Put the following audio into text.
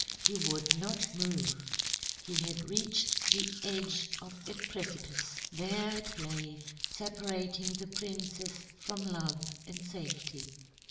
He would not move. He had reached the edge of a precipice. There it lay, separating the princess from love and safety.